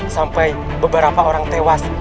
sampai beberapa orang tewas